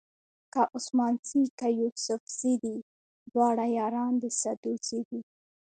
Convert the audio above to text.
که عثمان زي که یوسفزي دي دواړه یاران د سدوزي دي.